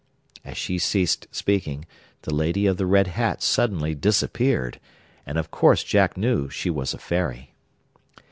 As she ceased speaking, the lady of the red hat suddenly disappeared, and of course Jack knew she was a fairy.